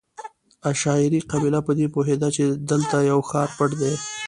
عشایري قبیله په دې پوهېده چې دلته یو ښار پټ دی.